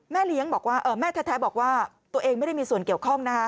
แม่แท้บอกว่าตัวเองไม่ได้มีส่วนเกี่ยวข้องนะ